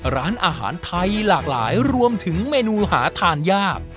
ร้านอาหารไทยหลากหลายรวมถึงเมนูหาทานยาก